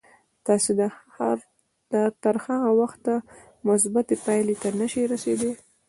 تاسې تر هغه وخته مثبتې پايلې ته نه شئ رسېدای.